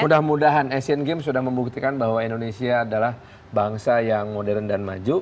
mudah mudahan asian games sudah membuktikan bahwa indonesia adalah bangsa yang modern dan maju